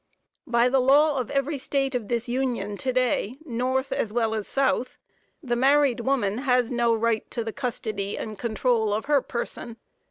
By the law of every state in this Union to day, North as well as South, the married woman has no right to the custody and control of her person.